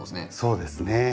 そうですね。